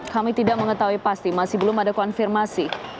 kami tidak mengetahui pasti masih belum ada konfirmasi